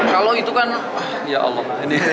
kalau itu kan ya allah